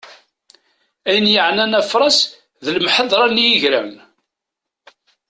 Ayen yeɛnan afras d lemḥadra n yigran.